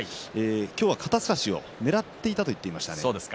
今日は肩すかしをねらっていたと言っていました。